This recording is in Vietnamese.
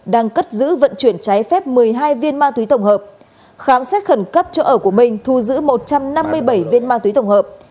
đang cất giữ vận chuyển trái phép một mươi hai viên ma túy tổng hợp khám xét khẩn cấp chỗ ở của minh thu giữ một trăm năm mươi bảy viên ma túy tổng hợp